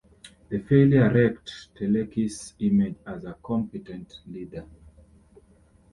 The failure wrecked Teleki's image as a competent leader.